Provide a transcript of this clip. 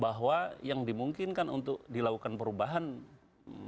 bahwa yang dimungkinkan untuk dilakukan perubahan materi permohonan